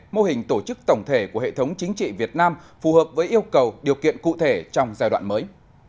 mô hình tổ chức tổng thể của hệ thống chính trị việt nam phù hợp với yêu cầu điều kiện cụ thể trong giai đoạn mới